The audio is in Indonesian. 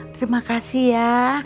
terima kasih ya